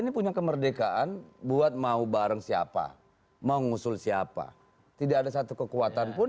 ini punya kemerdekaan buat mau bareng siapa mau ngusul siapa tidak ada satu kekuatan pun